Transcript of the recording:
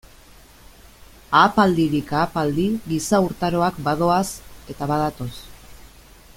Ahapaldirik ahapaldi giza urtaroak badoaz eta badatoz.